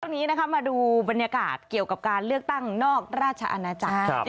ช่วงนี้นะคะมาดูบรรยากาศเกี่ยวกับการเลือกตั้งนอกราชอาณาจารย์